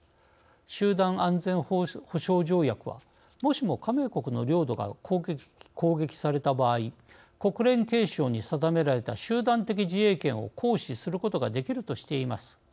集団安全保障条約はもしも、加盟国の領土が攻撃された場合国連憲章に定められた集団的自衛権を行使することができるとしています。